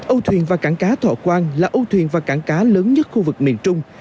âu thuyền và cảng cá thọ quang là ô thuyền và cảng cá lớn nhất khu vực miền trung